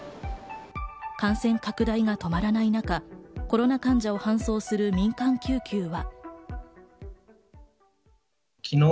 感染拡大が止まらない中、コロナ患者を搬送する民間救急は。